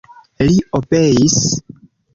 Li obeis.